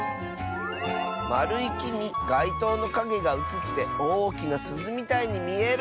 「まるいきにがいとうのかげがうつっておおきなすずみたいにみえる！」。